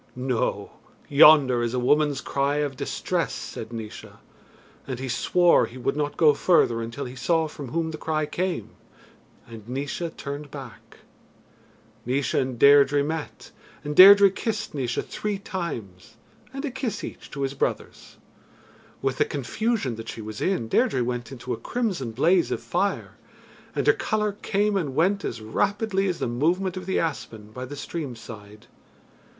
"No! yonder is a woman's cry of distress," said Naois, and he swore he would not go further until he saw from whom the cry came, and Naois turned back. Naois and Deirdre met, and Deirdre kissed Naois three times, and a kiss each to his brothers. With the confusion that she was in, Deirdre went into a crimson blaze of fire, and her colour came and went as rapidly as the movement of the aspen by the stream side.